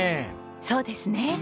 そうですね。